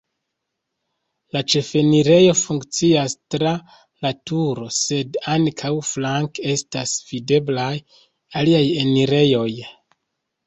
La ĉefenirejo funkcias tra la turo, sed ankaŭ flanke estas videblaj aliaj enirejoj.